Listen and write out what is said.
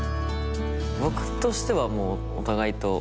僕としてはもうお互いと。